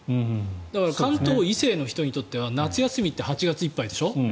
だから、関東以西の人にとっては夏休みって８月いっぱいでしょ。